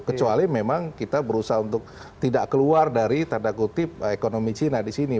kecuali memang kita berusaha untuk tidak keluar dari tanda kutip ekonomi china di sini